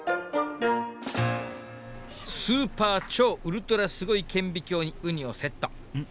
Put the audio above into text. スーパー超ウルトラすごい顕微鏡にウニをセットんん？